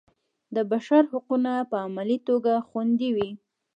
د بشر حقونه په عملي توګه خوندي وي.